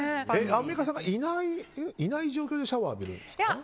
アンミカさんがいない状況でシャワー浴びるんですか？